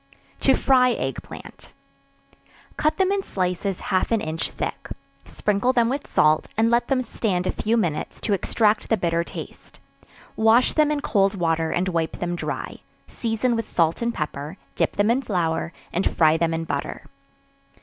To Fry Egg Plant. Cut them in slices half an inch thick; sprinkle them with salt, and let them stand a few minutes to extract the bitter taste; wash them in cold water, and wipe them dry; season with salt and pepper; dip them in flour, and fry them in butter.